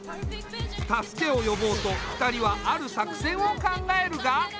助けを呼ぼうと２人はある作戦を考えるが。